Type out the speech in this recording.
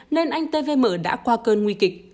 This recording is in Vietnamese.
nên anh tvm đã qua cơn nguy kịch